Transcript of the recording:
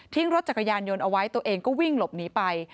รถจักรยานยนต์เอาไว้ตัวเองก็วิ่งหลบหนีไป